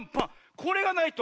これがないと。